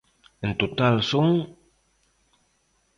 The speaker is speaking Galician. En total son...